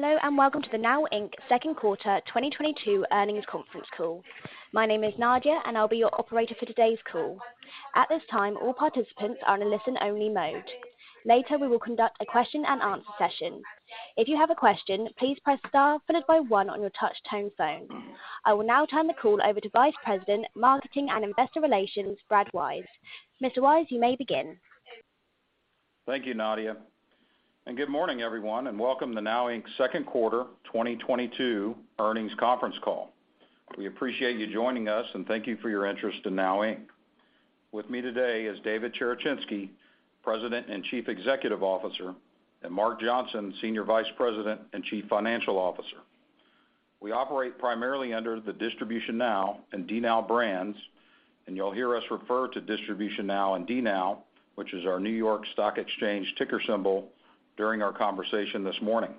Hello, and welcome to the NOW Inc. second quarter 2022 earnings conference call. My name is Nadia, and I'll be your operator for today's call. At this time, all participants are in a listen-only mode. Later, we will conduct a question-and-answer session. If you have a question, please press star followed by one on your touch tone phone. I will now turn the call over to Vice President, Digital Strategy and Investor Relations, Brad Wise. Mr. Wise, you may begin. Thank you, Nadia. Good morning, everyone, and welcome to NOW Inc.'s second quarter 2022 earnings conference call. We appreciate you joining us, and thank you for your interest in NOW Inc. With me today is David Cherechinsky, President and Chief Executive Officer, and Mark Johnson, Senior Vice President and Chief Financial Officer. We operate primarily under the DistributionNOW and DNOW brands, and you'll hear us refer to DistributionNOW and DNOW, which is our New York Stock Exchange ticker symbol, during our conversation this morning.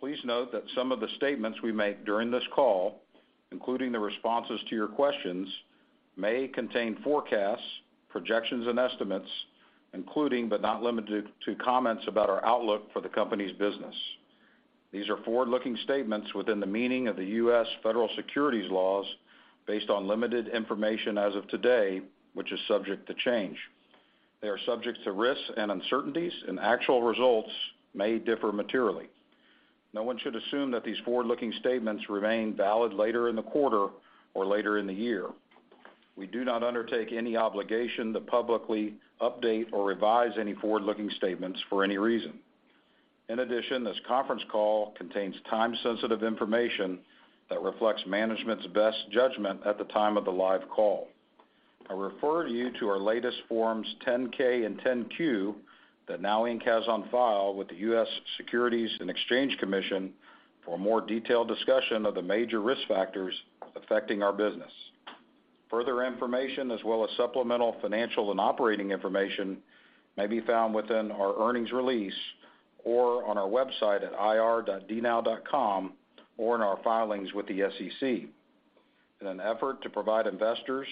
Please note that some of the statements we make during this call, including the responses to your questions, may contain forecasts, projections, and estimates, including, but not limited to, comments about our outlook for the company's business. These are forward-looking statements within the meaning of the U.S. Federal Securities laws based on limited information as of today, which is subject to change. They are subject to risks and uncertainties, and actual results may differ materially. No one should assume that these forward-looking statements remain valid later in the quarter or later in the year. We do not undertake any obligation to publicly update or revise any forward-looking statements for any reason. In addition, this conference call contains time-sensitive information that reflects management's best judgment at the time of the live call. I refer you to our latest Form 10-K and Form 10-Q that NOW Inc. has on file with the U.S. Securities and Exchange Commission for a more detailed discussion of the major risk factors affecting our business. Further information as well as supplemental financial and operating information may be found within our earnings release or on our website at ir.dnow.com or in our filings with the SEC. In an effort to provide investors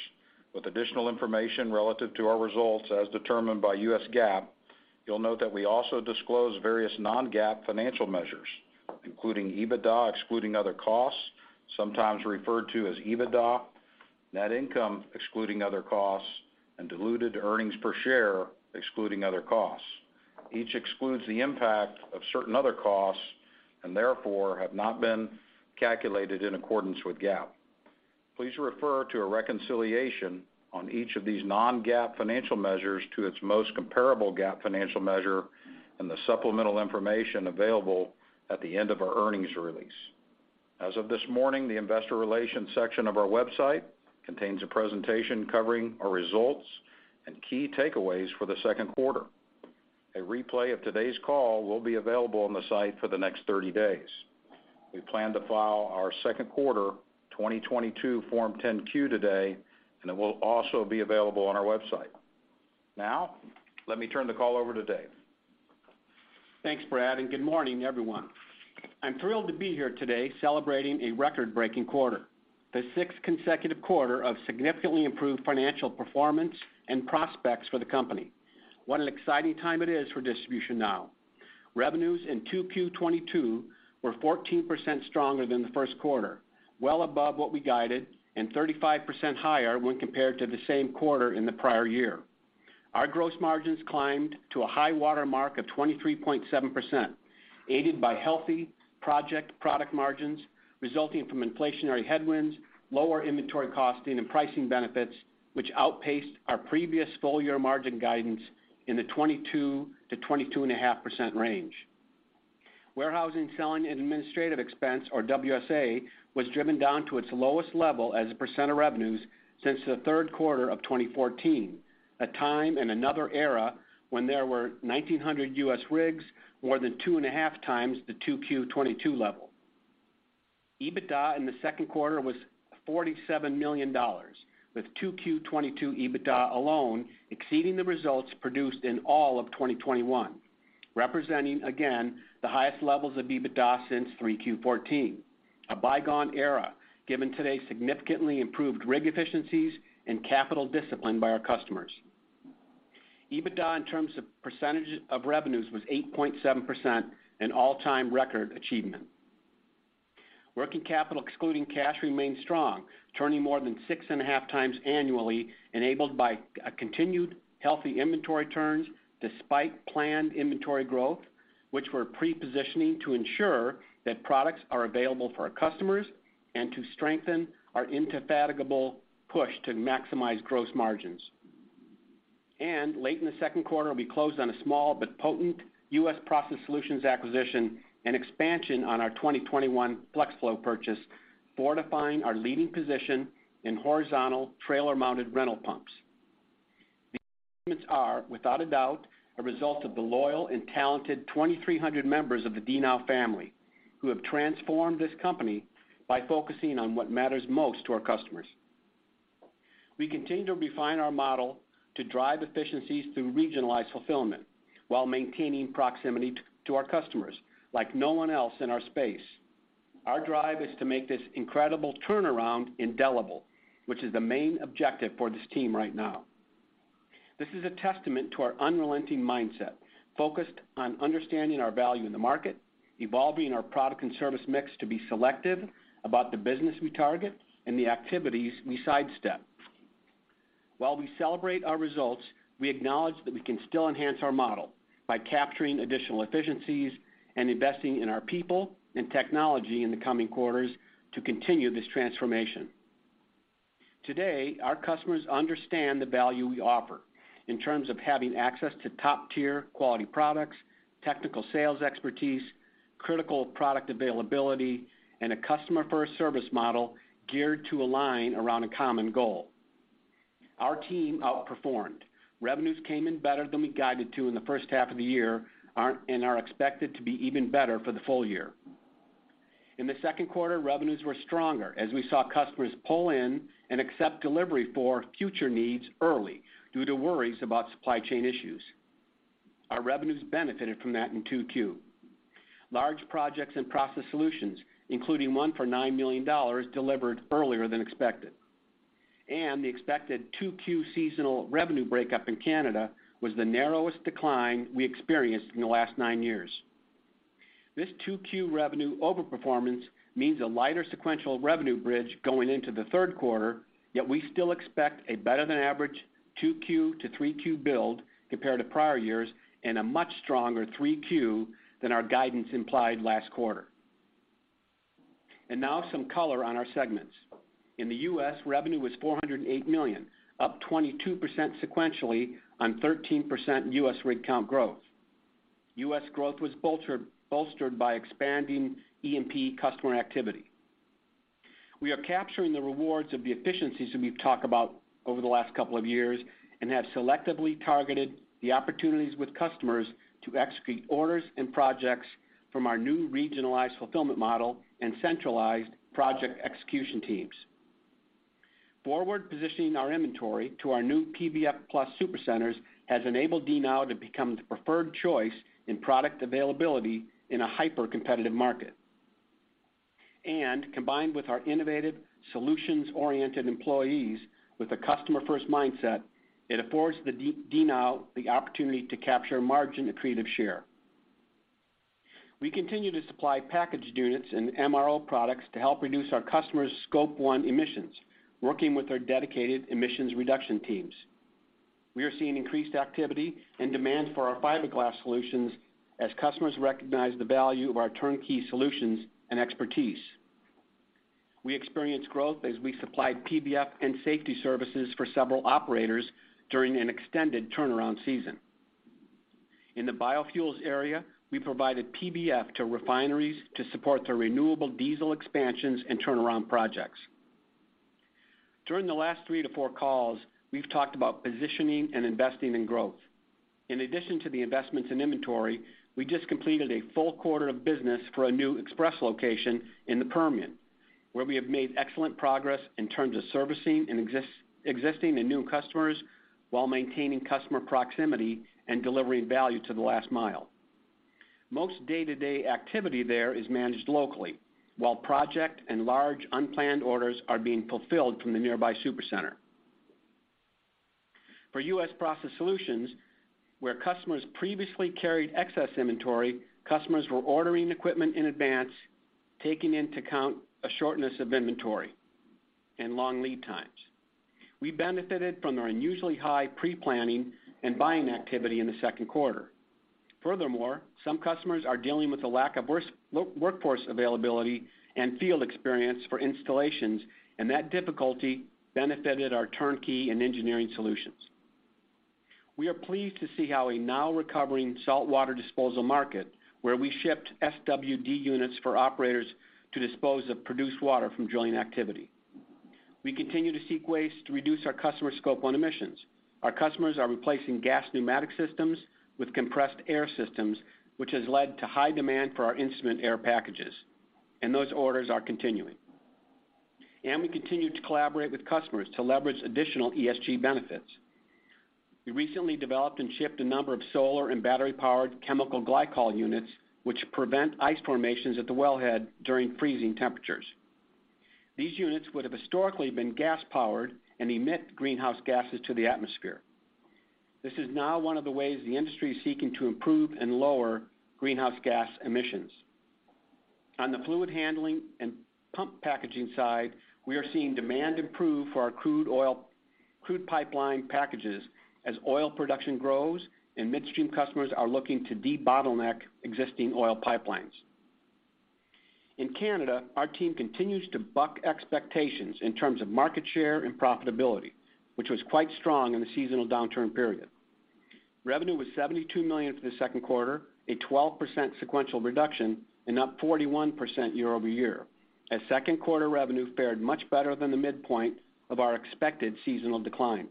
with additional information relative to our results as determined by U.S. GAAP, you'll note that we also disclose various non-GAAP financial measures, including EBITDA excluding other costs, sometimes referred to as EBITDA, net income excluding other costs, and diluted earnings per share excluding other costs. Each excludes the impact of certain other costs and therefore have not been calculated in accordance with GAAP. Please refer to a reconciliation on each of these non-GAAP financial measures to its most comparable GAAP financial measure and the supplemental information available at the end of our earnings release. As of this morning, the investor relations section of our website contains a presentation covering our results and key takeaways for the second quarter. A replay of today's call will be available on the site for the next 30 days. We plan to file our second quarter 2022 Form 10-Q today, and it will also be available on our website. Now, let me turn the call over to Dave. Thanks, Brad, and good morning, everyone. I'm thrilled to be here today celebrating a record-breaking quarter, the sixth consecutive quarter of significantly improved financial performance and prospects for the company. What an exciting time it is for DistributionNOW. Revenues in 2Q 2022 were 14% stronger than the first quarter, well above what we guided, and 35% higher when compared to the same quarter in the prior year. Our gross margins climbed to a high-water mark of 23.7%, aided by healthy project product margins resulting from inflationary headwinds, lower inventory costing and pricing benefits, which outpaced our previous full year margin guidance in the 22%-22.5% range. Warehousing, selling, and administrative expense, or WSA, was driven down to its lowest level as a percent of revenues since the third quarter of 2014, a time in another era when there were 1,900 U.S. rigs, more than 2.5x The 2Q 2022 level. EBITDA in the second quarter was $47 million, with 2Q 2022 EBITDA alone exceeding the results produced in all of 2021, representing again the highest levels of EBITDA since 3Q 2014, a bygone era given today's significantly improved rig efficiencies and capital discipline by our customers. EBITDA in terms of percentage of revenues was 8.7%, an all-time record achievement. Working capital excluding cash remained strong, turning more than 6.5x annually, enabled by a continued healthy inventory turns despite planned inventory growth, which we're pre-positioning to ensure that products are available for our customers and to strengthen our indefatigable push to maximize gross margins. Late in the second quarter, we closed on a small but potent U.S. process solutions acquisition and expansion on our 2021 Flex Flow purchase, fortifying our leading position in horizontal trailer-mounted rental pumps. These are, without a doubt, a result of the loyal and talented 2,300 members of the DNOW family who have transformed this company by focusing on what matters most to our customers. We continue to refine our model to drive efficiencies through regionalized fulfillment while maintaining proximity to our customers like no one else in our space. Our drive is to make this incredible turnaround indelible, which is the main objective for this team right now. This is a testament to our unrelenting mindset, focused on understanding our value in the market, evolving our product and service mix to be selective about the business we target and the activities we sidestep. While we celebrate our results, we acknowledge that we can still enhance our model by capturing additional efficiencies and investing in our people and technology in the coming quarters to continue this transformation. Today, our customers understand the value we offer in terms of having access to top-tier quality products, technical sales expertise, critical product availability, and a customer-first service model geared to align around a common goal. Our team outperformed. Revenues came in better than we guided to in the first half of the year and are expected to be even better for the full year. In the second quarter, revenues were stronger as we saw customers pull in and accept delivery for future needs early due to worries about supply chain issues. Our revenues benefited from that in 2Q. Large projects and process solutions, including one for $9 million delivered earlier than expected. The expected 2Q seasonal revenue breakup in Canada was the narrowest decline we experienced in the last nine years. This 2Q revenue overperformance means a lighter sequential revenue bridge going into the third quarter, yet we still expect a better-than-average 2Q to 3Q build compared to prior years and a much stronger 3Q than our guidance implied last quarter. Now some color on our segments. In the U.S., revenue was $408 million, up 22% sequentially on 13% U.S. rig count growth. U.S. growth was bolstered by expanding E&P customer activity. We are capturing the rewards of the efficiencies that we've talked about over the last couple of years and have selectively targeted the opportunities with customers to execute orders and projects from our new regionalized fulfillment model and centralized project execution teams. Forward positioning our inventory to our new PVF Plus Supercenters has enabled DNOW to become the preferred choice in product availability in a hypercompetitive market. Combined with our innovative, solutions-oriented employees with a customer-first mindset, it affords the DNOW the opportunity to capture margin accretive share. We continue to supply packaged units and MRO products to help reduce our customers' Scope 1 emissions, working with our dedicated emissions reduction teams. We are seeing increased activity and demand for our fiberglass solutions as customers recognize the value of our turnkey solutions and expertise. We experienced growth as we supplied PVF and safety services for several operators during an extended turnaround season. In the biofuels area, we provided PVF to refineries to support their renewable diesel expansions and turnaround projects. During the last 3-4 calls, we've talked about positioning and investing in growth. In addition to the investments in inventory, we just completed a full quarter of business for a new express location in the Permian, where we have made excellent progress in terms of servicing an existing and new customers while maintaining customer proximity and delivering value to the last mile. Most day-to-day activity there is managed locally, while project and large unplanned orders are being fulfilled from the nearby supercenter. For U.S. process solutions, where customers previously carried excess inventory, customers were ordering equipment in advance, taking into account a shortness of inventory and long lead times. We benefited from their unusually high pre-planning and buying activity in the second quarter. Furthermore, some customers are dealing with a lack of workforce availability and field experience for installations, and that difficulty benefited our turnkey and engineering solutions. We are pleased to see how a now recovering saltwater disposal market, where we shipped SWD units for operators to dispose of produced water from drilling activity. We continue to seek ways to reduce our customers' Scope 1 emissions. Our customers are replacing gas pneumatic systems with compressed air systems, which has led to high demand for our instrument air packages, and those orders are continuing. We continue to collaborate with customers to leverage additional ESG benefits. We recently developed and shipped a number of solar and battery-powered chemical glycol units, which prevent ice formations at the wellhead during freezing temperatures. These units would have historically been gas-powered and emit greenhouse gases to the atmosphere. This is now one of the ways the industry is seeking to improve and lower greenhouse gas emissions. On the fluid handling and pump packaging side, we are seeing demand improve for our crude pipeline packages as oil production grows and midstream customers are looking to debottleneck existing oil pipelines. In Canada, our team continues to buck expectations in terms of market share and profitability, which was quite strong in the seasonal downturn period. Revenue was $72 million for the second quarter, a 12% sequential reduction and up 41% year-over-year, as second quarter revenue fared much better than the midpoint of our expected seasonal decline.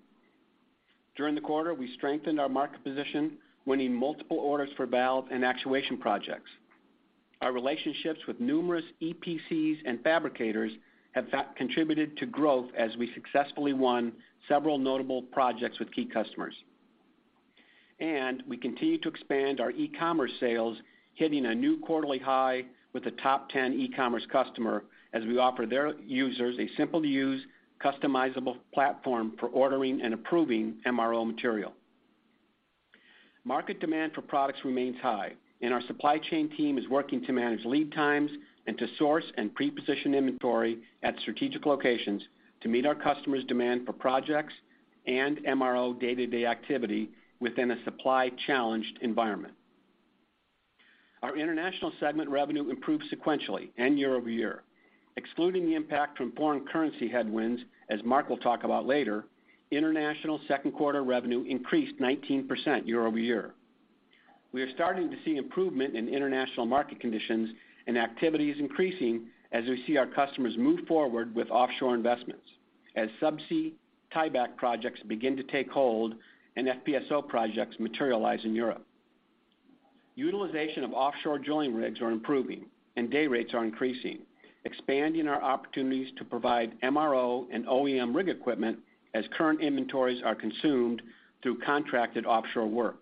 During the quarter, we strengthened our market position, winning multiple orders for valve and actuation projects. Our relationships with numerous EPCs and fabricators have contributed to growth as we successfully won several notable projects with key customers. We continue to expand our e-commerce sales, hitting a new quarterly high with a top 10 e-commerce customer as we offer their users a simple to use customizable platform for ordering and approving MRO material. Market demand for products remains high, and our supply chain team is working to manage lead times and to source and preposition inventory at strategic locations to meet our customers' demand for projects and MRO day-to-day activity within a supply challenged environment. Our international segment revenue improved sequentially and year-over-year. Excluding the impact from foreign currency headwinds, as Mark will talk about later, international second quarter revenue increased 19% year-over-year. We are starting to see improvement in international market conditions and activity is increasing as we see our customers move forward with offshore investments as subsea tieback projects begin to take hold and FPSO projects materialize in Europe. Utilization of offshore drilling rigs are improving and day rates are increasing, expanding our opportunities to provide MRO and OEM rig equipment as current inventories are consumed through contracted offshore work.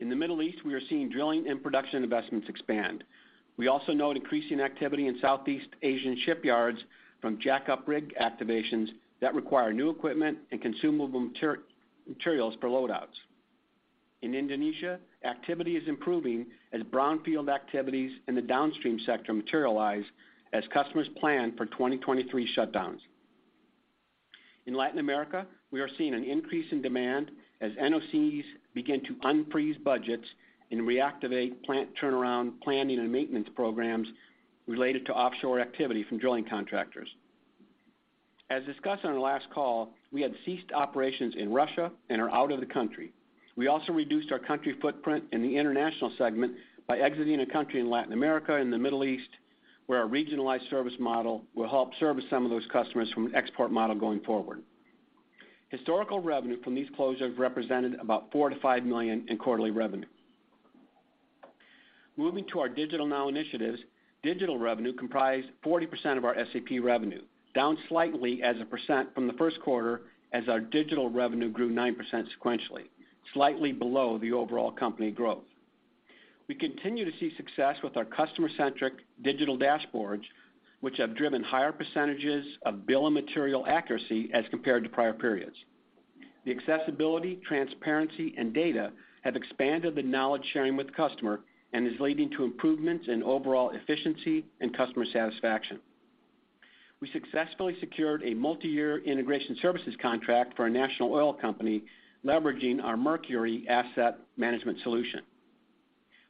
In the Middle East, we are seeing drilling and production investments expand. We also note increasing activity in Southeast Asian shipyards from jackup rig activations that require new equipment and consumable materials for load outs. In Indonesia, activity is improving as brownfield activities in the downstream sector materialize as customers plan for 2023 shutdowns. In Latin America, we are seeing an increase in demand as NOCs begin to unfreeze budgets and reactivate plant turnaround planning and maintenance programs related to offshore activity from drilling contractors. As discussed on our last call, we had ceased operations in Russia and are out of the country. We also reduced our country footprint in the international segment by exiting a country in Latin America and the Middle East, where our regionalized service model will help service some of those customers from an export model going forward. Historical revenue from these closures represented about $4 million-$5 million in quarterly revenue. Moving to our DigitalNOW initiatives, digital revenue comprised 40% of our SAP revenue, down slightly as a percent from the first quarter as our digital revenue grew 9% sequentially, slightly below the overall company growth. We continue to see success with our customer-centric digital dashboards, which have driven higher percentages of bill of material accuracy as compared to prior periods. The accessibility, transparency and data have expanded the knowledge sharing with the customer and is leading to improvements in overall efficiency and customer satisfaction. We successfully secured a multi-year integration services contract for a national oil company leveraging our Mercury asset management solution.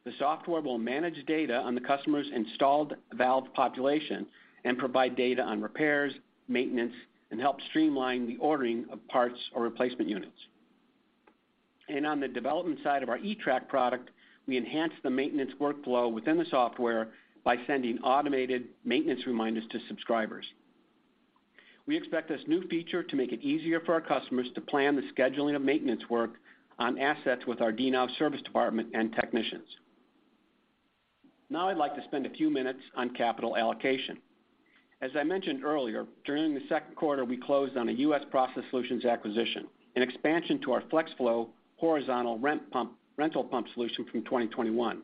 The software will manage data on the customer's installed valve population and provide data on repairs, maintenance, and help streamline the ordering of parts or replacement units. On the development side of our eTrack product, we enhanced the maintenance workflow within the software by sending automated maintenance reminders to subscribers. We expect this new feature to make it easier for our customers to plan the scheduling of maintenance work on assets with our DNOW service department and technicians. Now I'd like to spend a few minutes on capital allocation. As I mentioned earlier, during the second quarter, we closed on a U.S. process solutions acquisition, an expansion to our Flex Flow horizontal rental pump solution from 2021.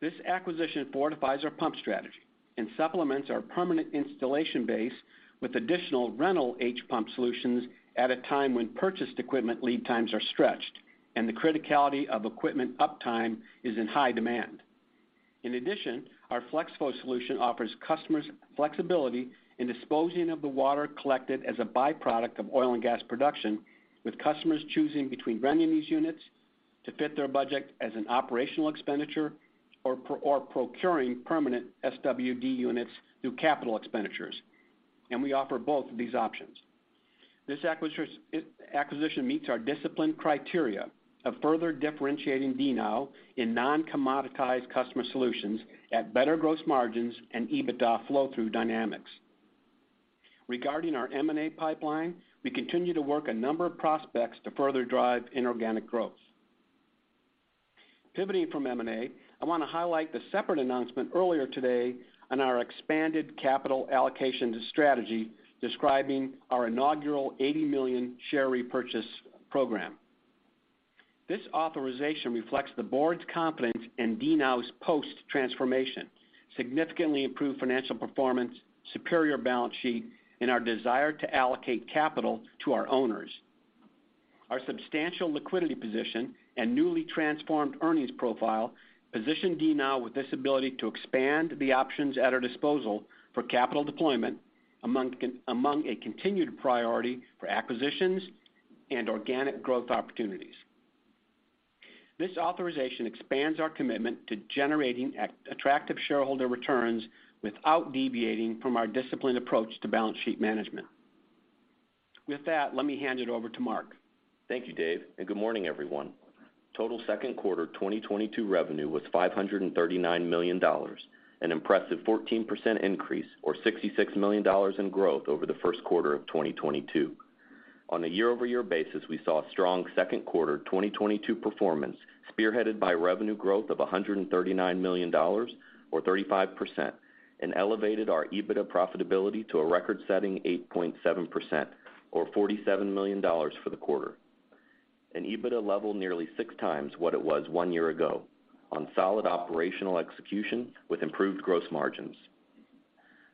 This acquisition fortifies our pump strategy and supplements our permanent installation base with additional rental H-pump solutions at a time when purchased equipment lead times are stretched and the criticality of equipment uptime is in high demand. In addition, our Flex Flow solution offers customers flexibility in disposing of the water collected as a byproduct of oil and gas production, with customers choosing between renting these units to fit their budget as an operational expenditure or procuring permanent SWD units through capital expenditures. We offer both of these options. This acquisition meets our disciplined criteria of further differentiating DNOW in non-commoditized customer solutions at better gross margins and EBITDA flow through dynamics. Regarding our M&A pipeline, we continue to work a number of prospects to further drive inorganic growth. Pivoting from M&A, I want to highlight the separate announcement earlier today on our expanded capital allocation strategy describing our inaugural 80 million share repurchase program. This authorization reflects the board's confidence in DNOW's post transformation, significantly improved financial performance, superior balance sheet, and our desire to allocate capital to our owners. Our substantial liquidity position and newly transformed earnings profile position DNOW with this ability to expand the options at our disposal for capital deployment among a continued priority for acquisitions and organic growth opportunities. This authorization expands our commitment to generating attractive shareholder returns without deviating from our disciplined approach to balance sheet management. With that, let me hand it over to Mark. Thank you, Dave, and good morning, everyone. Total second quarter 2022 revenue was $539 million, an impressive 14% increase or $66 million in growth over the first quarter of 2022. On a year-over-year basis, we saw strong second quarter 2022 performance, spearheaded by revenue growth of $139 million, or 35%, and elevated our EBITDA profitability to a record-setting 8.7% or $47 million for the quarter. An EBITDA level nearly 6x what it was one year ago on solid operational execution with improved gross margins.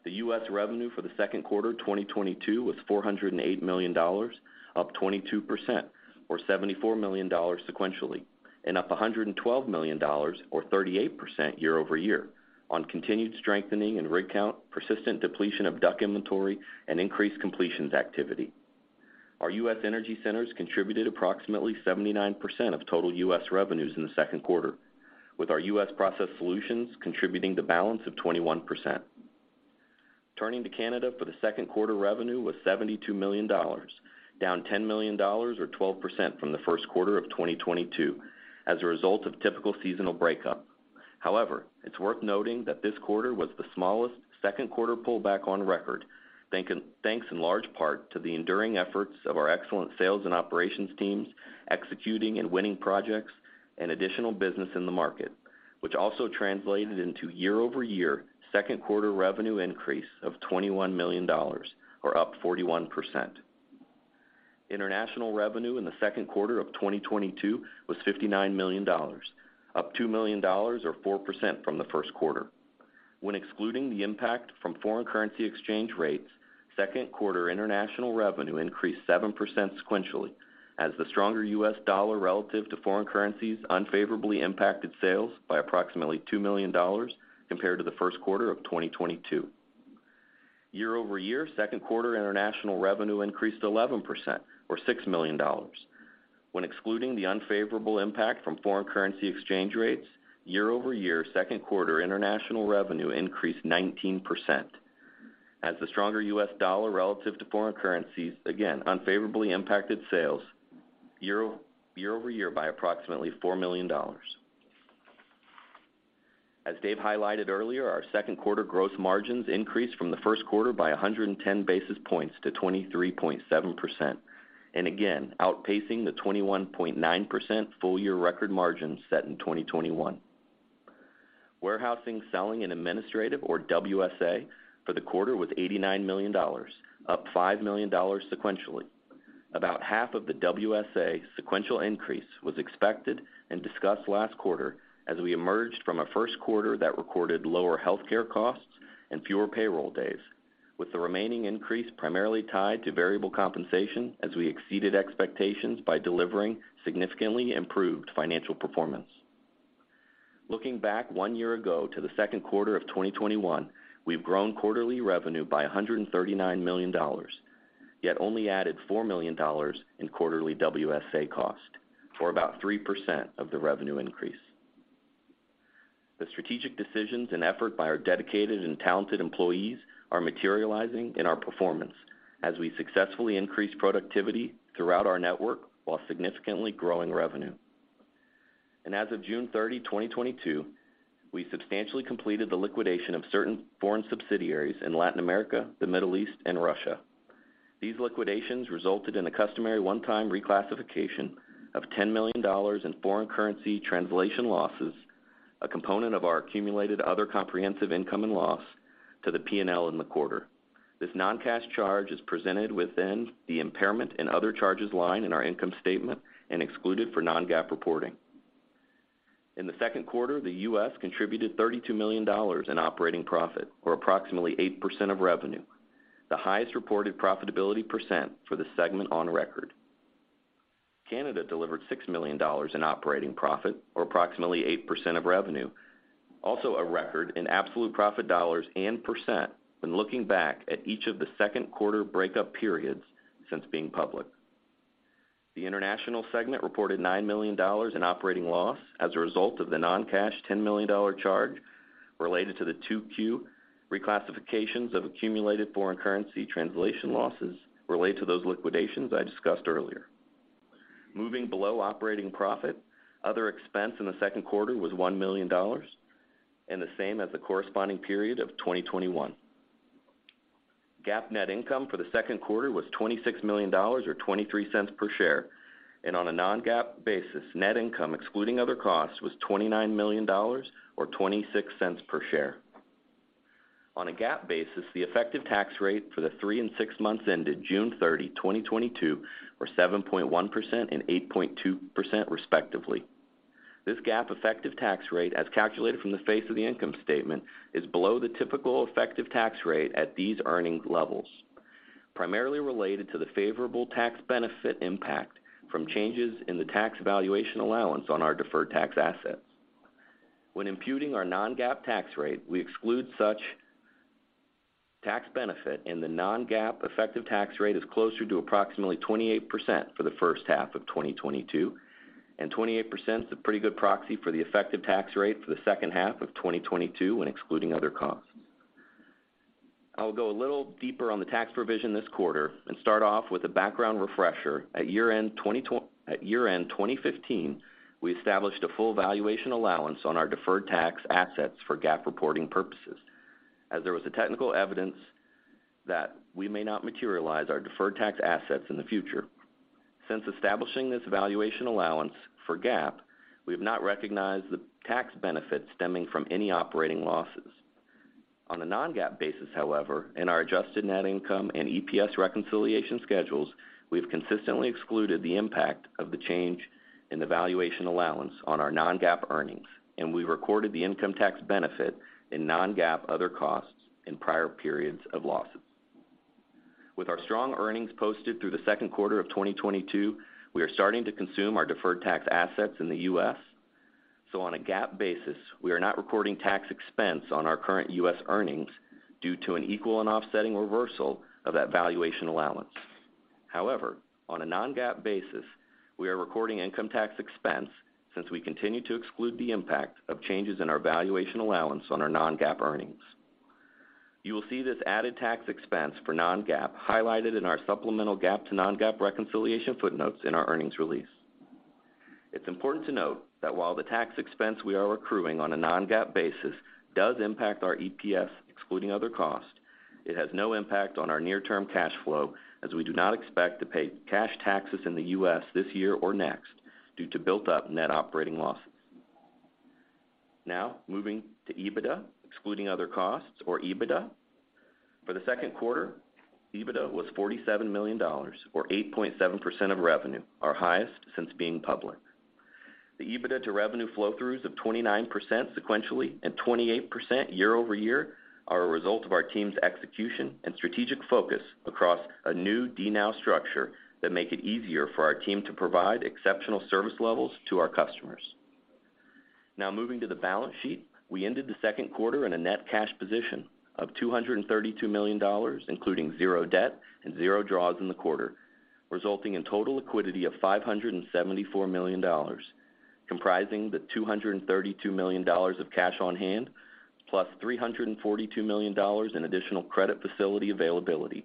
The U.S. revenue for the second quarter 2022 was $408 million, up 22%, or $74 million sequentially, and up $112 million or 38% year-over-year on continued strengthening in rig count, persistent depletion of DUC inventory and increased completions activity. Our U.S. energy centers contributed approximately 79% of total U.S. revenues in the second quarter, with our U.S. process solutions contributing the balance of 21%. Turning to Canada for the second quarter, revenue was $72 million, down $10 million or 12% from the first quarter of 2022 as a result of typical seasonal breakup. However, it's worth noting that this quarter was the smallest second quarter pullback on record. Thanks in large part to the enduring efforts of our excellent sales and operations teams, executing and winning projects and additional business in the market, which also translated into year-over-year second quarter revenue increase of $21 million or up 41%. International revenue in the second quarter of 2022 was $59 million, up $2 million or 4% from the first quarter. When excluding the impact from foreign currency exchange rates, second quarter international revenue increased 7% sequentially as the stronger U.S. dollar relative to foreign currencies unfavorably impacted sales by approximately $2 million compared to the first quarter of 2022. Year-over-year, second quarter international revenue increased 11% or $6 million. When excluding the unfavorable impact from foreign currency exchange rates, year-over-year second quarter international revenue increased 19%. As the stronger U.S. dollar relative to foreign currencies, again, unfavorably impacted sales year-over-year by approximately $4 million. As Dave highlighted earlier, our second quarter gross margins increased from the first quarter by 110 basis points to 23.7%, and again, outpacing the 21.9% full year record margins set in 2021. Warehousing, selling, and administrative, or WSA, for the quarter was $89 million, up $5 million sequentially. About half of the WSA sequential increase was expected and discussed last quarter as we emerged from a first quarter that recorded lower healthcare costs and fewer payroll days, with the remaining increase primarily tied to variable compensation, as we exceeded expectations by delivering significantly improved financial performance. Looking back one year ago to the second quarter of 2021, we've grown quarterly revenue by $139 million, yet only added $4 million in quarterly WSA cost, for about 3% of the revenue increase. The strategic decisions and effort by our dedicated and talented employees are materializing in our performance as we successfully increase productivity throughout our network while significantly growing revenue. As of June 30, 2022, we substantially completed the liquidation of certain foreign subsidiaries in Latin America, the Middle East, and Russia. These liquidations resulted in a customary one-time reclassification of $10 million in foreign currency translation losses, a component of our accumulated other comprehensive income and loss to the P&L in the quarter. This non-cash charge is presented within the impairment and other charges line in our income statement and excluded for non-GAAP reporting. In the second quarter, the U.S. contributed $32 million in operating profit, or approximately 8% of revenue, the highest reported profitability % for the segment on record. Canada delivered $6 million in operating profit, or approximately 8% of revenue, also a record in absolute profit dollars and % when looking back at each of the second quarter breakup periods since being public. The international segment reported $9 million in operating loss as a result of the non-cash $10 million charge related to the 2Q reclassification of accumulated foreign currency translation losses related to those liquidations I discussed earlier. Moving below operating profit, other expense in the second quarter was $1 million and the same as the corresponding period of 2021. GAAP net income for the second quarter was $26 million or $0.23 per share. On a non-GAAP basis, net income excluding other costs was $29 million or $0.26 per share. On a GAAP basis, the effective tax rate for the three and six months ended June 30, 2022, were 7.1% and 8.2% respectively. This GAAP effective tax rate, as calculated from the face of the income statement, is below the typical effective tax rate at these earning levels, primarily related to the favorable tax benefit impact from changes in the tax valuation allowance on our deferred tax assets. When imputing our non-GAAP tax rate, we exclude such tax benefit, and the non-GAAP effective tax rate is closer to approximately 28% for the first half of 2022, and 28% is a pretty good proxy for the effective tax rate for the second half of 2022 when excluding other costs. I'll go a little deeper on the tax provision this quarter and start off with a background refresher. At year-end 2015, we established a full valuation allowance on our deferred tax assets for GAAP reporting purposes, as there was a technical evidence that we may not materialize our deferred tax assets in the future. Since establishing this valuation allowance for GAAP, we have not recognized the tax benefit stemming from any operating losses. On a non-GAAP basis, however, in our adjusted net income and EPS reconciliation schedules, we've consistently excluded the impact of the change in the valuation allowance on our non-GAAP earnings, and we recorded the income tax benefit in non-GAAP other costs in prior periods of losses. With our strong earnings posted through the second quarter of 2022, we are starting to consume our deferred tax assets in the U.S. On a GAAP basis, we are not recording tax expense on our current U.S. earnings due to an equal and offsetting reversal of that valuation allowance. However, on a non-GAAP basis, we are recording income tax expense since we continue to exclude the impact of changes in our valuation allowance on our non-GAAP earnings. You will see this added tax expense for non-GAAP highlighted in our supplemental GAAP to non-GAAP reconciliation footnotes in our earnings release. It's important to note that while the tax expense we are accruing on a non-GAAP basis does impact our EPS, excluding other costs, it has no impact on our near-term cash flow, as we do not expect to pay cash taxes in the U.S. this year or next due to built up net operating losses. Now, moving to EBITDA, excluding other costs or EBITDA. For the second quarter, EBITDA was $47 million or 8.7% of revenue, our highest since being public. The EBITDA to revenue flow-throughs of 29% sequentially and 28% year-over-year are a result of our team's execution and strategic focus across a new DNOW structure that make it easier for our team to provide exceptional service levels to our customers. Now moving to the balance sheet. We ended the second quarter in a net cash position of $232 million, including zero debt and zero draws in the quarter, resulting in total liquidity of $574 million, comprising the $232 million of cash on hand, plus $342 million in additional credit facility availability.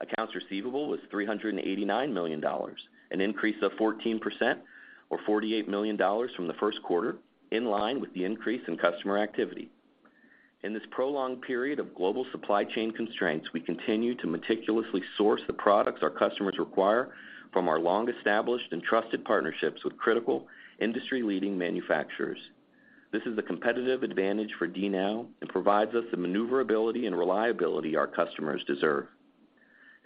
Accounts receivable was $389 million, an increase of 14% or $48 million from the first quarter, in line with the increase in customer activity. In this prolonged period of global supply chain constraints, we continue to meticulously source the products our customers require from our long-established and trusted partnerships with critical industry-leading manufacturers. This is a competitive advantage for DNOW and provides us the maneuverability and reliability our customers deserve.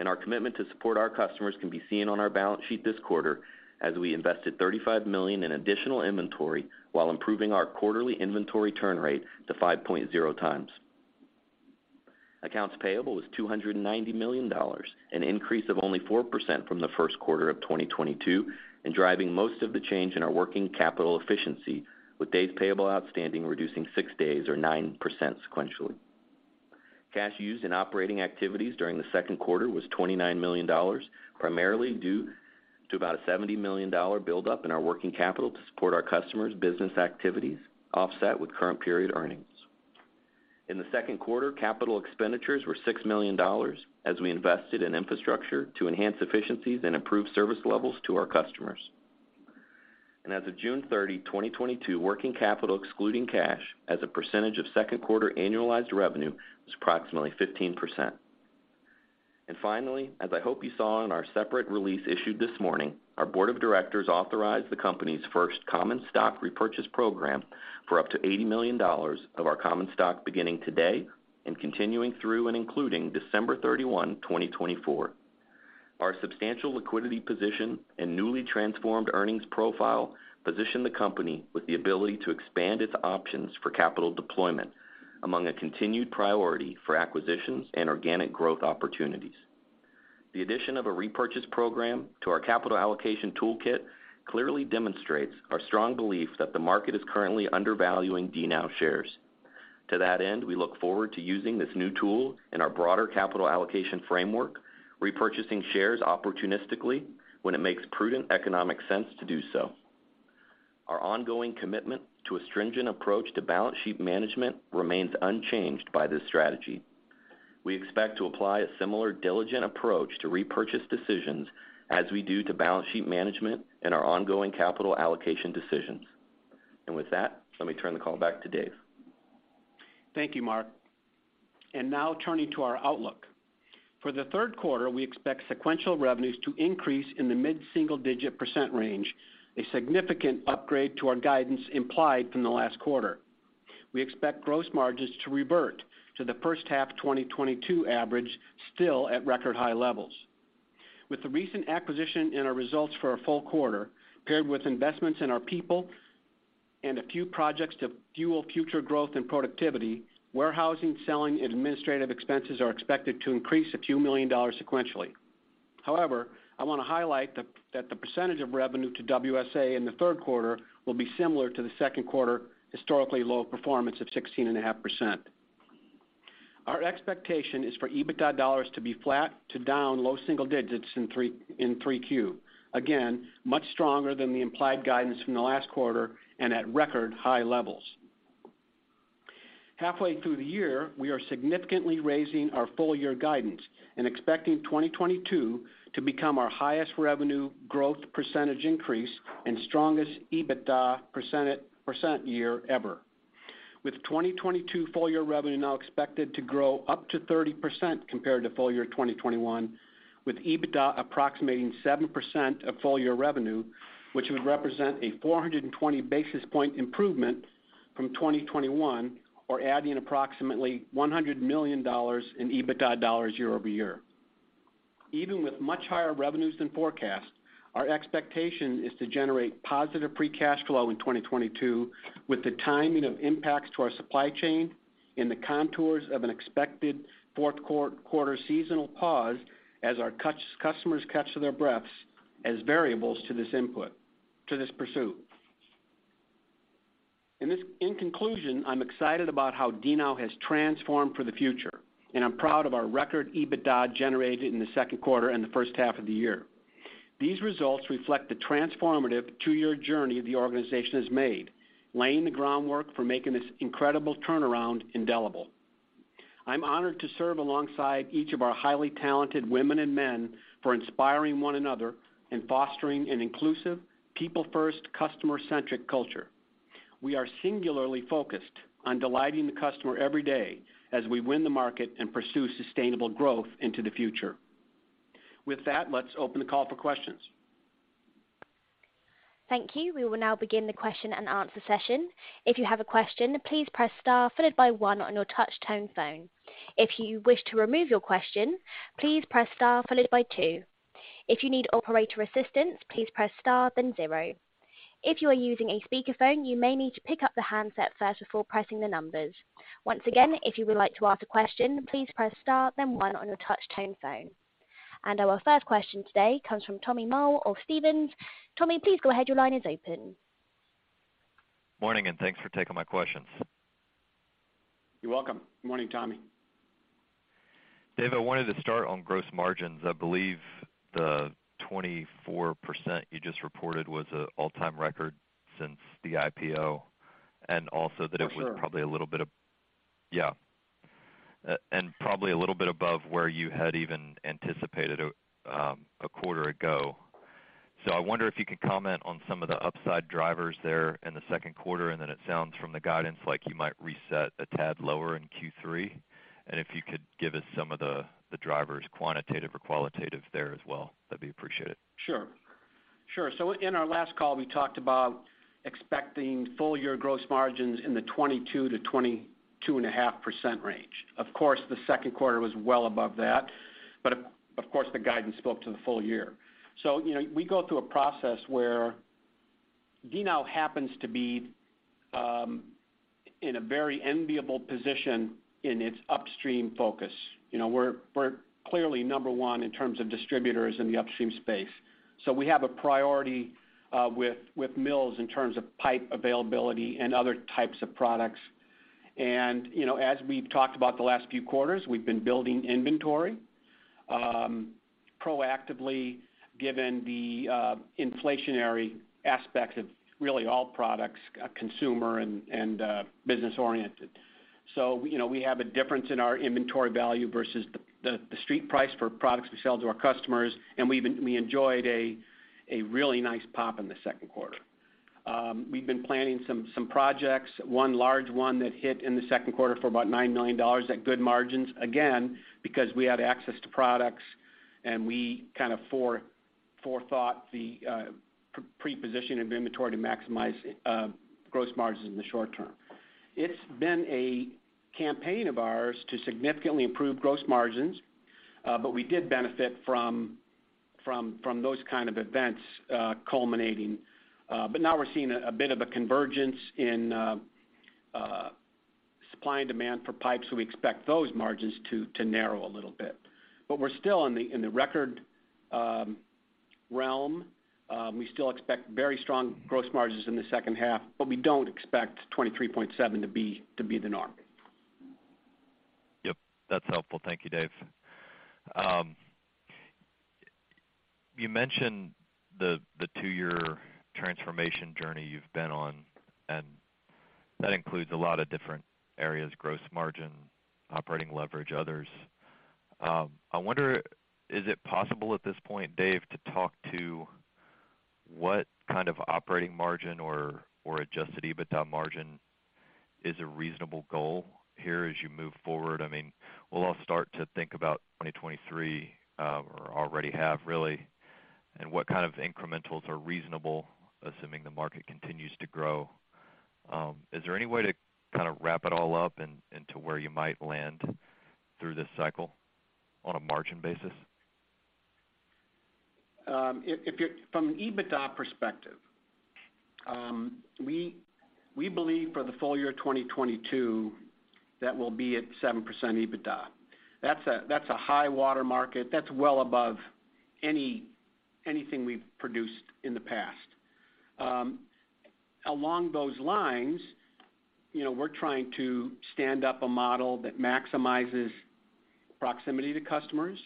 Our commitment to support our customers can be seen on our balance sheet this quarter as we invested $35 million in additional inventory while improving our quarterly inventory turn rate to 5.0x. Accounts payable was $290 million, an increase of only 4% from the first quarter of 2022, and driving most of the change in our working capital efficiency, with days payable outstanding reducing six days or 9% sequentially. Cash used in operating activities during the second quarter was $29 million, primarily due to about a $70 million build-up in our working capital to support our customers' business activities, offset with current period earnings. In the second quarter, capital expenditures were $6 million as we invested in infrastructure to enhance efficiencies and improve service levels to our customers. As of June 30, 2022, working capital excluding cash as a percentage of second quarter annualized revenue was approximately 15%. Finally, as I hope you saw in our separate release issued this morning, our board of directors authorized the company's first common stock repurchase program for up to $80 million of our common stock beginning today and continuing through and including December 31, 2024. Our substantial liquidity position and newly transformed earnings profile position the company with the ability to expand its options for capital deployment among a continued priority for acquisitions and organic growth opportunities. The addition of a share repurchase program to our capital allocation toolkit clearly demonstrates our strong belief that the market is currently undervaluing DNOW shares. To that end, we look forward to using this new tool in our broader capital allocation framework, repurchasing shares opportunistically when it makes prudent economic sense to do so. Our ongoing commitment to a stringent approach to balance sheet management remains unchanged by this strategy. We expect to apply a similar diligent approach to repurchase decisions as we do to balance sheet management and our ongoing capital allocation decisions. With that, let me turn the call back to Dave. Thank you, Mark. Now turning to our outlook. For the third quarter, we expect sequential revenues to increase in the mid-single digit percent range, a significant upgrade to our guidance implied from the last quarter. We expect gross margins to revert to the first half of 2022 average, still at record high levels. With the recent acquisition in our results for a full quarter, paired with investments in our people and a few projects to fuel future growth and productivity, warehousing, selling, and administrative expenses are expected to increase a few million sequentially. However, I want to highlight that the percentage of revenue to WSA in the third quarter will be similar to the second quarter historically low performance of 16.5%. Our expectation is for EBITDA dollars to be flat to down low single digits in 3Q. Again, much stronger than the implied guidance from the last quarter and at record high levels. Halfway through the year, we are significantly raising our full year guidance and expecting 2022 to become our highest revenue growth percentage increase and strongest EBITDA percent year ever. With 2022 full year revenue now expected to grow up to 30% compared to full year 2021, with EBITDA approximating 7% of full year revenue, which would represent a 420 basis point improvement from 2021, or adding approximately $100 million in EBITDA dollars year over year. Even with much higher revenues than forecast, our expectation is to generate positive free cash flow in 2022, with the timing of impacts to our supply chain and the contours of an expected fourth quarter seasonal pause as our customers catch their breaths as variables to this pursuit. In conclusion, I'm excited about how DNOW has transformed for the future, and I'm proud of our record EBITDA generated in the second quarter and the first half of the year. These results reflect the transformative 2-year journey the organization has made, laying the groundwork for making this incredible turnaround indelible. I'm honored to serve alongside each of our highly talented women and men for inspiring one another and fostering an inclusive, people-first, customer-centric culture. We are singularly focused on delighting the customer every day as we win the market and pursue sustainable growth into the future. With that, let's open the call for questions. Thank you. We will now begin the question-and-answer session. If you have a question, please press star followed by one on your touch-tone phone. If you wish to remove your question, please press star followed by two. If you need operator assistance, please press star then zero. If you are using a speakerphone, you may need to pick up the handset first before pressing the numbers. Once again, if you would like to ask a question, please press star then one on your touch-tone phone. Our first question today comes from Tommy Moll of Stephens. Tommy, please go ahead. Your line is open. Morning, and thanks for taking my questions. You're welcome. Morning, Tommy. David, I wanted to start on gross margins. I believe the 24% you just reported was an all-time record since the IPO, and also that it For sure. was probably a little bit above where you had even anticipated a quarter ago. I wonder if you could comment on some of the upside drivers there in the second quarter, and then it sounds from the guidance like you might reset a tad lower in Q3. If you could give us some of the drivers, quantitative or qualitative there as well, that'd be appreciated. Sure. In our last call, we talked about expecting full-year gross margins in the 22%-22.5% range. Of course, the second quarter was well above that, but of course, the guidance spoke to the full year. You know, we go through a process where DNOW happens to be in a very enviable position in its upstream focus. You know, we're clearly number one in terms of distributors in the upstream space. We have a priority with mills in terms of pipe availability and other types of products. You know, as we've talked about the last few quarters, we've been building inventory proactively given the inflationary aspects of really all products, consumer and business-oriented. You know, we have a difference in our inventory value versus the street price for products we sell to our customers, and we enjoyed a really nice pop in the second quarter. We've been planning some projects, one large one that hit in the second quarter for about $9 million at good margins, again, because we had access to products and we kind of forethought the pre-positioning of inventory to maximize gross margins in the short term. It's been a campaign of ours to significantly improve gross margins, but we did benefit from those kind of events culminating. Now we're seeing a bit of a convergence in supply and demand for pipes, so we expect those margins to narrow a little bit. We're still in the record realm. We still expect very strong gross margins in the second half, but we don't expect 23.7% to be the norm. Yep, that's helpful. Thank you, Dave. You mentioned the 2-year transformation journey you've been on, and that includes a lot of different areas, gross margin, operating leverage, others. I wonder, is it possible at this point, Dave, to talk to what kind of operating margin or adjusted EBITDA margin is a reasonable goal here as you move forward? I mean, we'll all start to think about 2023, or already have really, and what kind of incrementals are reasonable, assuming the market continues to grow. Is there any way to kind of wrap it all up into where you might land through this cycle on a margin basis? From an EBITDA perspective, we believe for the full year 2022, that we'll be at 7% EBITDA. That's a high-water mark. That's well above anything we've produced in the past. Along those lines, you know, we're trying to stand up a model that maximizes proximity to customers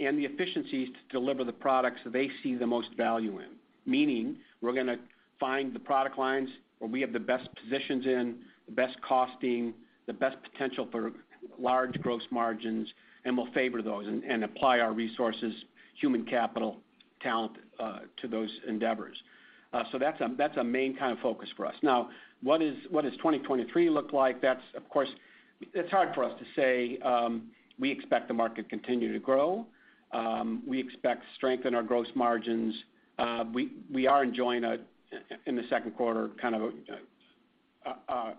and the efficiencies to deliver the products that they see the most value in, meaning we're gonna find the product lines where we have the best positions in, the best costing, the best potential for large gross margins, and we'll favor those and apply our resources, Human Capital Resources, talent, to those endeavors. That's a main kind of focus for us. Now, what does 2023 look like? That's, of course, it's hard for us to say. We expect the market to continue to grow. We expect strength in our gross margins. We are enjoying, in the second quarter, kind of a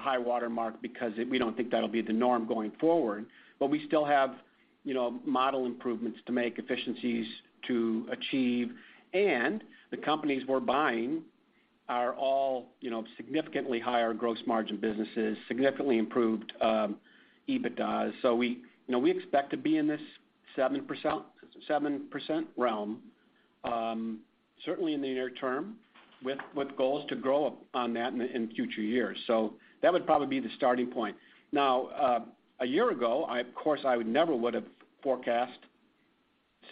high water mark because it. We don't think that'll be the norm going forward, but we still have, you know, model improvements to make, efficiencies to achieve. The companies we're buying are all, you know, significantly higher gross margin businesses, significantly improved EBITDAs. We, you know, expect to be in this 7% realm certainly in the near term with goals to grow on that in future years. That would probably be the starting point. Now, a year ago, I, of course, would never have forecast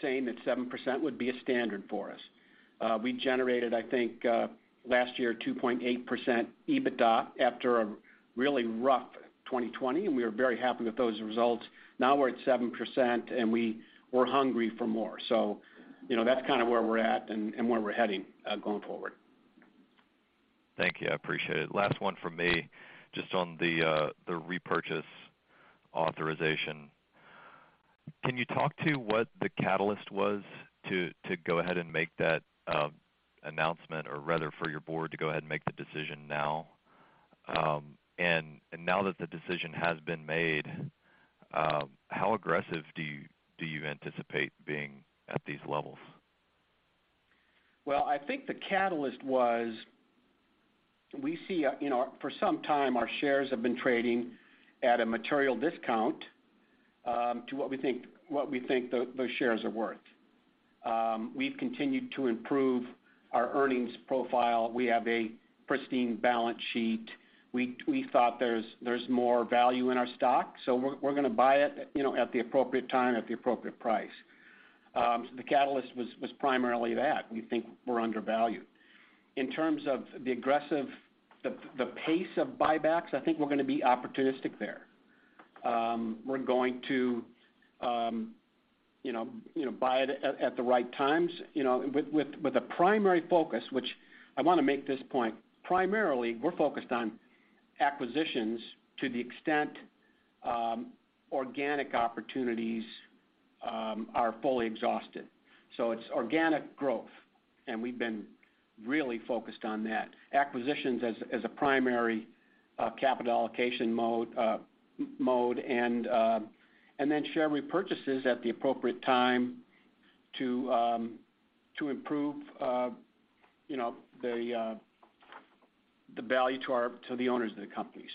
saying that 7% would be a standard for us. We generated, I think, last year, 2.8% EBITDA after a really rough 2020, and we are very happy with those results. Now we're at 7%, and we're hungry for more. You know, that's kind of where we're at and where we're heading going forward. Thank you. I appreciate it. Last one from me, just on the share repurchase program authorization. Can you talk to what the catalyst was to go ahead and make that announcement, or rather for your board to go ahead and make the decision now? Now that the decision has been made, how aggressive do you anticipate being at these levels? Well, I think the catalyst was we see, you know, for some time, our shares have been trading at a material discount to what we think those shares are worth. We've continued to improve our earnings profile. We have a pristine balance sheet. We thought there's more value in our stock, so we're gonna buy it, you know, at the appropriate time, at the appropriate price. The catalyst was primarily that. We think we're undervalued. In terms of the aggressive pace of buybacks, I think we're gonna be opportunistic there. We're going to, you know, buy it at the right times, you know, with a primary focus, which I wanna make this point, primarily, we're focused on acquisitions to the extent organic opportunities are fully exhausted. It's organic growth, and we've been really focused on that. Acquisitions as a primary capital allocation mode, and then share repurchases at the appropriate time to improve, you know, the value to the owners of the company.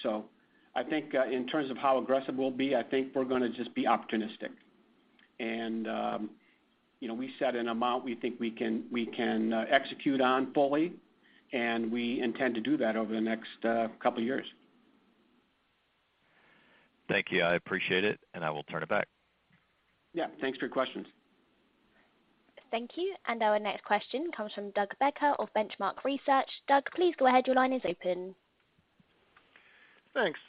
I think in terms of how aggressive we'll be, I think we're gonna just be opportunistic. You know, we set an amount we think we can execute on fully, and we intend to do that over the next couple years. Thank you. I appreciate it, and I will turn it back. Yeah. Thanks for your questions. Thank you. Our next question comes from Doug Becker of Benchmark Research. Doug, please go ahead. Your line is open. Thanks.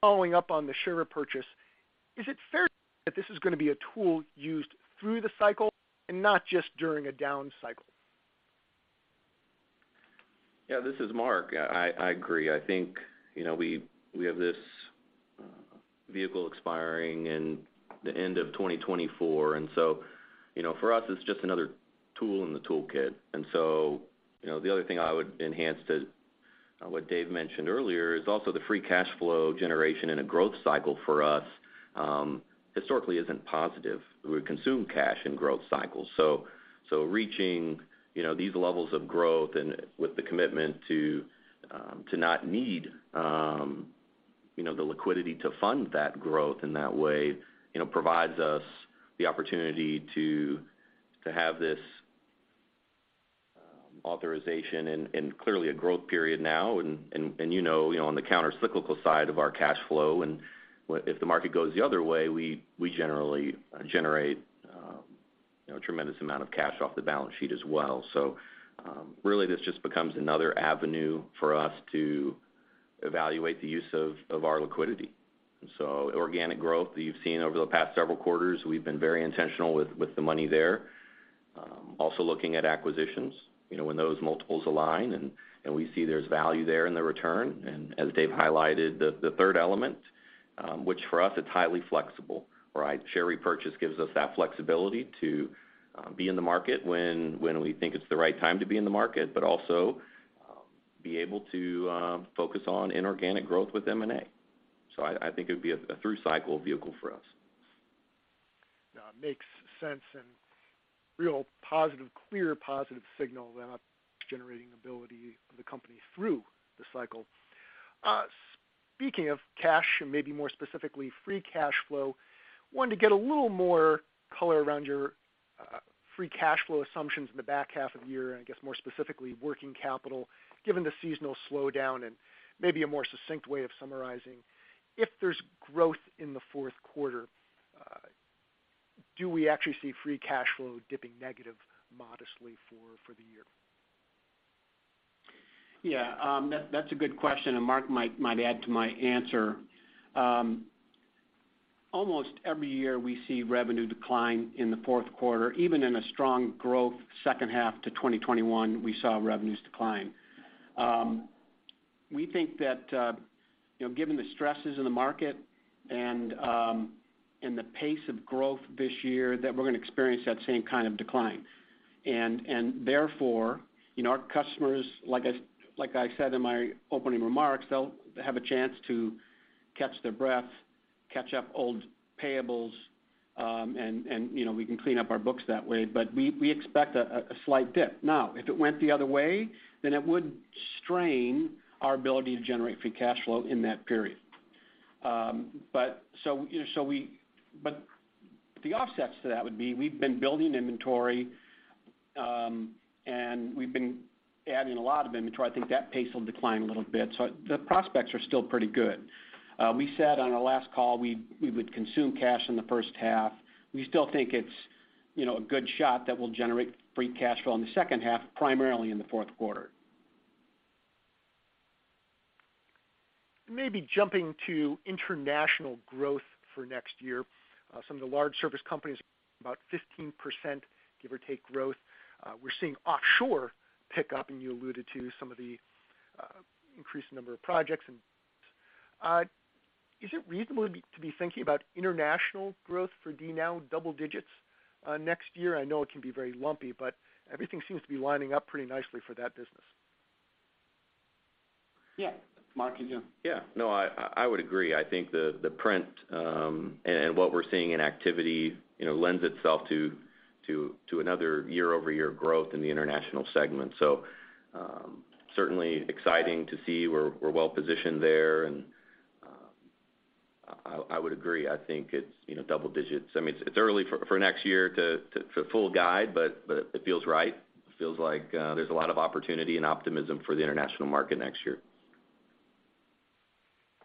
Following up on the share repurchase program, is it fair that this is gonna be a tool used through the cycle and not just during a down cycle? Yeah, this is Mark. I agree. I think, you know, we have this vehicle expiring in the end of 2024. You know, for us, it's just another tool in the toolkit. You know, the other thing I would enhance to what Dave mentioned earlier is also the free cash flow generation in a growth cycle for us, historically isn't positive. We would consume cash in growth cycles. Reaching, you know, these levels of growth and with the commitment to not need, you know, the liquidity to fund that growth in that way, you know, provides us the opportunity to have this authorization and clearly a growth period now. You know, on the countercyclical side of our cash flow, and if the market goes the other way, we generally generate, you know, a tremendous amount of cash off the balance sheet as well. Really, this just becomes another avenue for us to evaluate the use of our liquidity. Organic growth that you've seen over the past several quarters, we've been very intentional with the money there. Also looking at acquisitions, you know, when those multiples align and we see there's value there in the return. As Dave highlighted, the third element, which for us it's highly flexible, right? Share repurchase program gives us that flexibility to be in the market when we think it's the right time to be in the market, but also be able to focus on inorganic growth with M&A. I think it would be a through cycle vehicle for us. Yeah. Makes sense, a real positive, clear positive signal about generating ability of the company through the cycle. Speaking of cash, and maybe more specifically free cash flow, wanted to get a little more color around your free cash flow assumptions in the back half of the year, and I guess more specifically, working capital, given the seasonal slowdown and maybe a more succinct way of summarizing. If there's growth in the fourth quarter, do we actually see free cash flow dipping negative modestly for the year? Yeah. That's a good question, and Mark might add to my answer. Almost every year, we see revenue decline in the fourth quarter. Even in a strong growth second half to 2021, we saw revenues decline. We think that you know, given the stresses in the market and the pace of growth this year that we're gonna experience that same kind of decline. Therefore, you know, our customers, like I said in my opening remarks, they'll have a chance to catch their breath, catch up old payables, and you know, we can clean up our books that way. We expect a slight dip. Now, if it went the other way, then it would strain our ability to generate free cash flow in that period. The offsets to that would be we've been building inventory, and we've been adding a lot of inventory. I think that pace will decline a little bit. The prospects are still pretty good. We said on our last call we would consume cash in the first half. We still think it's, you know, a good shot that we'll generate free cash flow in the second half, primarily in the fourth quarter. Maybe jumping to international growth for next year. Some of the large service companies about 15%, give or take growth. We're seeing offshore pick up, and you alluded to some of the increased number of projects. Is it reasonable to be thinking about international growth for DNOW double digits next year? I know it can be very lumpy, but everything seems to be lining up pretty nicely for that business. Yeah. Mark, you can. Yeah. No, I would agree. I think the print and what we're seeing in activity, you know, lends itself to another year-over-year growth in the international segment. Certainly exciting to see. We're well positioned there. I would agree, I think it's, you know, double digits. I mean, it's early for next year to fully guide, but it feels right. It feels like there's a lot of opportunity and optimism for the international market next year.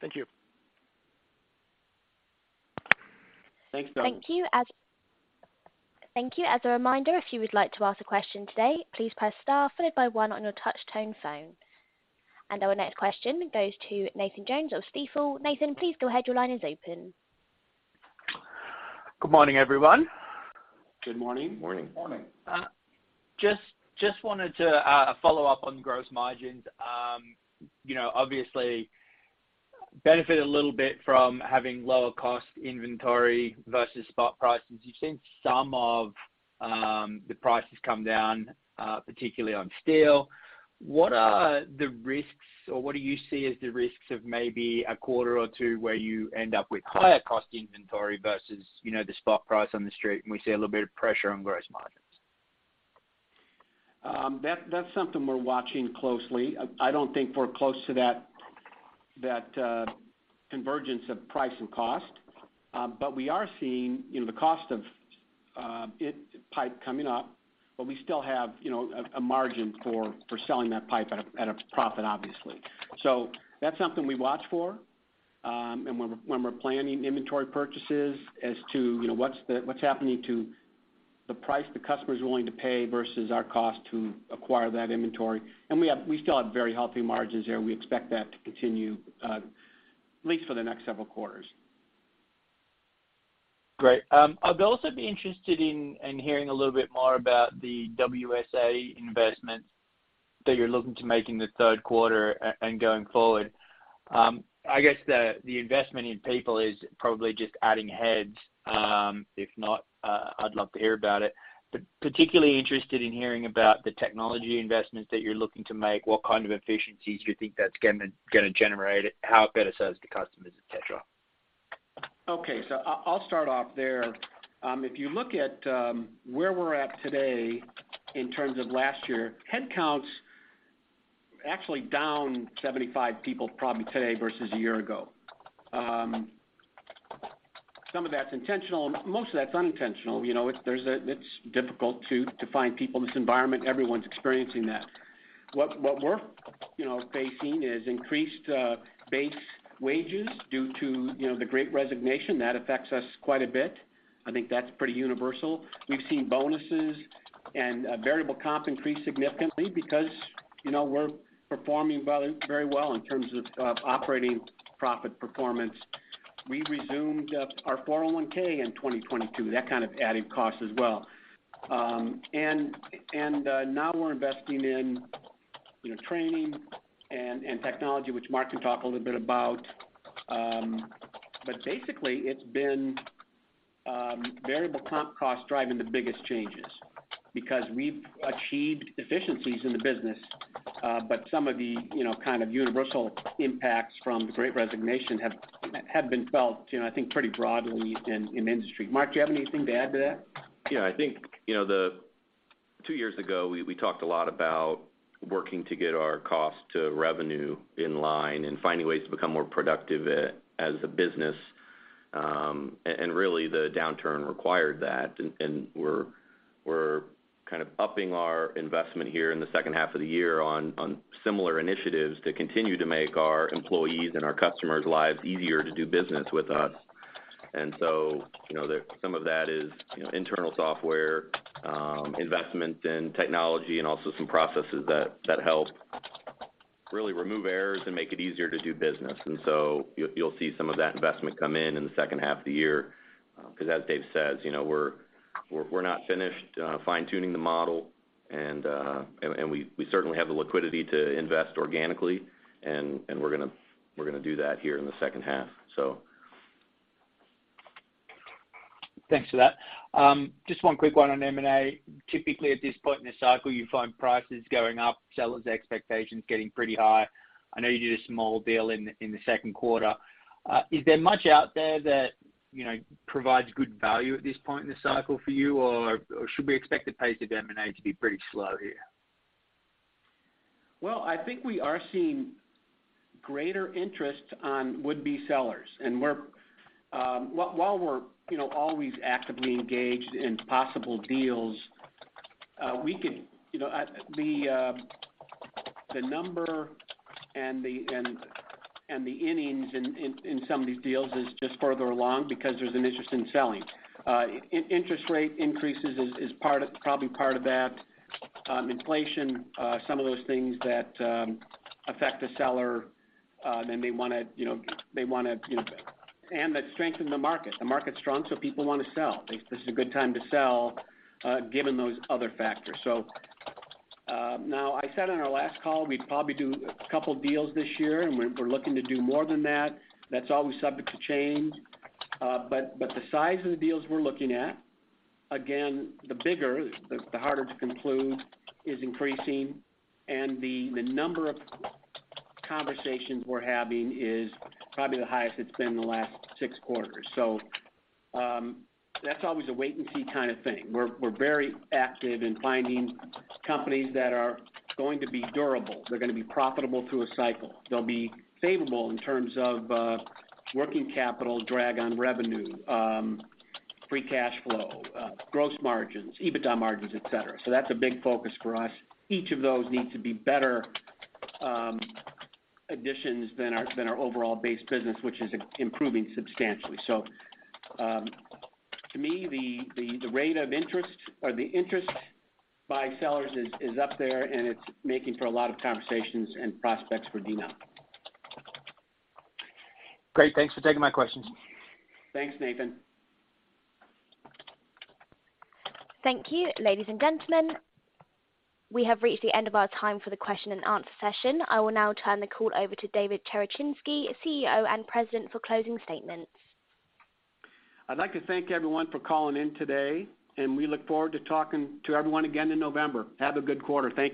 Thank you. Thanks, Doug. Thank you. As a reminder, if you would like to ask a question today, please press star followed by one on your touch tone phone. Our next question goes to Nathan Jones of Stifel. Nathan, please go ahead. Your line is open. Good morning, everyone. Good morning. Morning. Morning. Just wanted to follow up on gross margins. You know, obviously benefit a little bit from having lower cost inventory versus spot prices. You've seen some of the prices come down, particularly on steel. What are the risks or what do you see as the risks of maybe a quarter or two where you end up with higher cost inventory versus, you know, the spot price on the street, and we see a little bit of pressure on gross margins? That's something we're watching closely. I don't think we're close to that convergence of price and cost. We are seeing, you know, the cost of pipe coming up, but we still have, you know, a margin for selling that pipe at a profit, obviously. That's something we watch for, and when we're planning inventory purchases as to, you know, what's happening to the price the customer is willing to pay versus our cost to acquire that inventory. We still have very healthy margins there. We expect that to continue, at least for the next several quarters. Great. I'd also be interested in hearing a little bit more about the WSA investments that you're looking to make in the third quarter and going forward. I guess the investment in people is probably just adding heads. If not, I'd love to hear about it. Particularly interested in hearing about the technology investments that you're looking to make, what kind of efficiencies you think that's gonna generate, how it better serves the customers, et cetera. Okay. I'll start off there. If you look at where we're at today in terms of last year, headcounts actually down 75 people probably today versus a year ago. Some of that's intentional, most of that's unintentional. You know, it's difficult to find people in this environment. Everyone's experiencing that. What we're facing is increased base wages due to the Great Resignation. That affects us quite a bit. I think that's pretty universal. We've seen bonuses and variable comp increase significantly because we're performing well, very well in terms of operating profit performance. We resumed our 401(k) in 2022. That kind of added cost as well. Now we're investing in, you know, training and technology, which Mark can talk a little bit about. Basically, it's been variable comp costs driving the biggest changes because we've achieved efficiencies in the business. Some of the, you know, kind of universal impacts from the Great Resignation have been felt, you know, I think pretty broadly in industry. Mark, do you have anything to add to that? Yeah, I think, you know, two years ago, we talked a lot about working to get our cost to revenue in line and finding ways to become more productive as a business, and really the downturn required that. We're kind of upping our investment here in the second half of the year on similar initiatives to continue to make our employees and our customers' lives easier to do business with us. You know, some of that is, you know, internal software investments in technology and also some processes that help really remove errors and make it easier to do business. You'll see some of that investment come in in the second half of the year. 'Cause as Dave says, you know, we're not finished fine-tuning the model and we certainly have the liquidity to invest organically and we're gonna do that here in the second half, so. Thanks for that. Just one quick one on M&A. Typically, at this point in the cycle, you find prices going up, sellers' expectations getting pretty high. I know you did a small deal in the second quarter. Is there much out there that, you know, provides good value at this point in the cycle for you or should we expect the pace of M&A to be pretty slow here? Well, I think we are seeing greater interest on would-be sellers. While we're, you know, always actively engaged in possible deals. The number and the innings in some of these deals is just further along because there's an interest in selling. Interest rate increases is part of, probably part of that. Inflation, some of those things that affect the seller, then they wanna, you know, that strengthen the market. The market's strong, so people wanna sell. This is a good time to sell, given those other factors. Now I said on our last call we'd probably do a couple deals this year, and we're looking to do more than that. That's always subject to change. The size of the deals we're looking at, again, the bigger the harder to conclude is increasing, and the number of conversations we're having is probably the highest it's been in the last six quarters. That's always a wait and see kind of thing. We're very active in finding companies that are going to be durable. They're gonna be profitable through a cycle. They'll be favorable in terms of working capital drag on revenue, free cash flow, gross margins, EBITDA margins, et cetera. That's a big focus for us. Each of those need to be better additions than our overall base business, which is improving substantially. To me, the rate of interest or the interest by sellers is up there and it's making for a lot of conversations and prospects for DNOW. Great. Thanks for taking my questions. Thanks, Nathan. Thank you, ladies and gentlemen. We have reached the end of our time for the question and answer session. I will now turn the call over to David Cherechinsky, CEO and President for closing statements. I'd like to thank everyone for calling in today, and we look forward to talking to everyone again in November. Have a good quarter. Thank you.